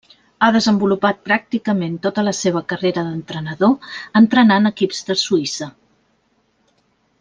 Ha desenvolupat pràcticament tota la seva carrera d'entrenador entrenant a equips de Suïssa.